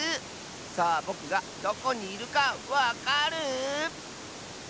さあぼくがどこにいるかわかる？